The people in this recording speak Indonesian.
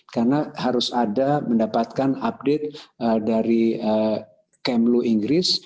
karena harus ada mendapatkan update dari kemlu inggris